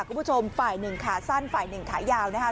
คุณผู้ชมฝ่ายหนึ่งขาสั้นฝ่ายหนึ่งขายาวนะคะ